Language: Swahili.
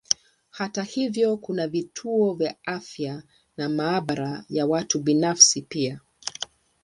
Hata hivyo kuna vituo vya afya na maabara ya watu binafsi pia.